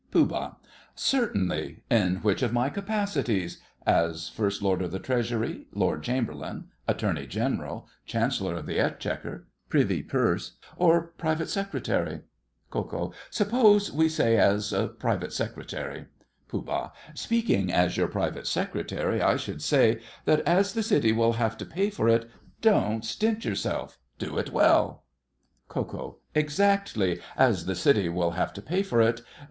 POOH. Certainly. In which of my capacities? As First Lord of the Treasury, Lord Chamberlain, Attorney General, Chancellor of the Exchequer, Privy Purse, or Private Secretary? KO. Suppose we say as Private Secretary. POOH. Speaking as your Private Secretary, I should say that, as the city will have to pay for it, don't stint yourself, do it well. KO. Exactly—as the city will have to pay for it.